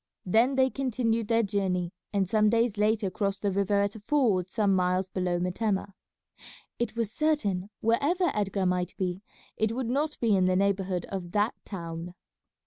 Then they continued their journey, and some days later crossed the river at a ford some miles below Metemmeh. It was certain, wherever Edgar might be, it would not be in the neighbourhood of that town.